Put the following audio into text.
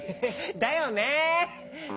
だよね。